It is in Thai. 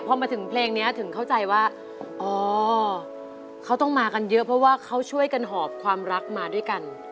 พอมาถึงเพลงนี้ถึงเข้าใจว่าอ๋อเขาต้องมากันเยอะเพราะว่าเขาช่วยกันหอบความรักมาด้วยกัน